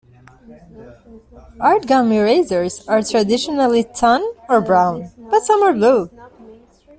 Art gum erasers are traditionally tan or brown, but some are blue.